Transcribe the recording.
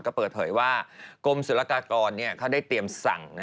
ก็เปิดเผยว่ากรมศุลกากรเขาได้เตรียมสั่ง